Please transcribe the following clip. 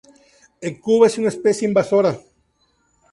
En Cuba es una especie invasora.